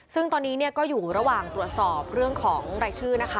ซึ่งตอนนี้เนี่ยก็อยู่ระหว่างตรวจสอบเรื่องของรายชื่อนะคะ